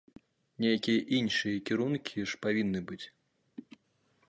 Нейкія іншыя кірункі ж павінны быць!